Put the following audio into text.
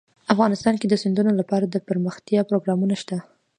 افغانستان کې د سیندونه لپاره دپرمختیا پروګرامونه شته.